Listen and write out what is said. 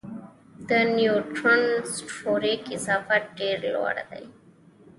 د نیوټرون ستوري کثافت ډېر لوړ دی.